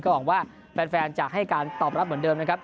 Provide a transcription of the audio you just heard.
หวังว่าแฟนจะให้การตอบรับเหมือนเดิมนะครับ